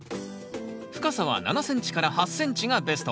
深さは７ｃｍ８ｃｍがベスト。